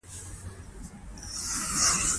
ډګروال لاس ور اوږد کړ چې کتابچه ترې راواخلي